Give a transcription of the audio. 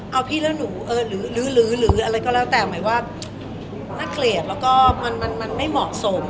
เอาพี่แล้วหนูหรืออะไรก็แล้วแต่หมายว่าน่าเกลียดแล้วก็มันไม่เหมาะสม